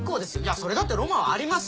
それだってロマンあります。